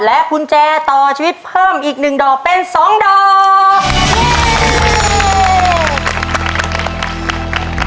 กุญแจต่อชีวิตเพิ่มอีก๑ดอกเป็น๒ดอก